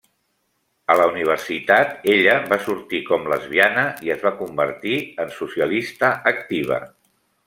A la universitat ella va sortir com lesbiana i es va convertir en socialista activa.